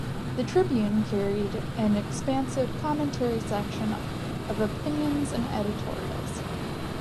The "Tribune" carried an expansive "Commentary" section of opinions and editorials.